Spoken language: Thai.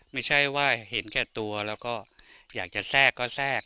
ไม่ใช่ว่าเห็นแค่ตัวแล้วก็อยากจะแทรกก็แทรก